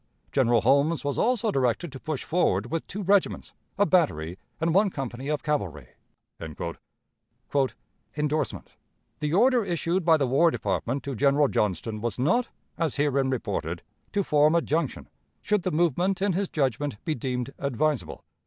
General Holmes was also directed to push forward with two regiments, a battery, and one company of cavalry." "ENDORSEMENT. "The order issued by the War Department to General Johnston was not, as herein reported, to form a junction, 'should the movement in his judgment be deemed advisable.'